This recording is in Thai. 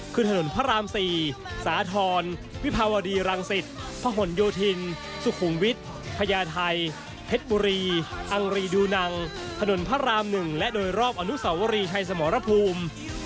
คือถนนพระราม๔สาธรณ์วิภาวดีรังสิตพระหลโยธินสุขุมวิทย์พญาไทยเพชรบุรีอังรีดูนังถนนพระราม๑และโดยรอบอนุสาวรีชัยสมรภูมิ